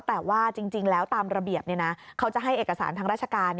แต่ว่าจริงแล้วตามระเบียบเขาจะให้เอกสารทางราชการ